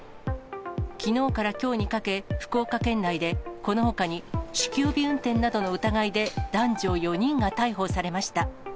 きのうからきょうにかけ、福岡県内で、このほかに酒気帯び運転などの疑いで、男女４人が逮捕されました。